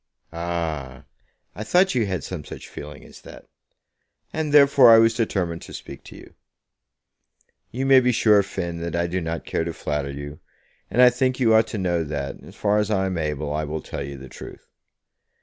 "Ah! I thought you had some such feeling as that, and therefore I was determined to speak to you. You may be sure, Finn, that I do not care to flatter you, and I think you ought to know that, as far as I am able, I will tell you the truth.